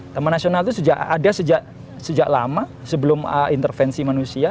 taman nasional itu ada sejak lama sebelum intervensi manusia